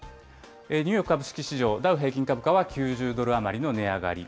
ニューヨーク株式市場、ダウ平均株価は９０ドル余りの値上がり。